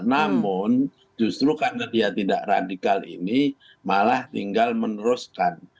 namun justru karena dia tidak radikal ini malah tinggal meneruskan